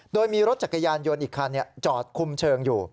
โดยมีรถจักรยานยนต์อีกคันจอดคุมเชิงอยู่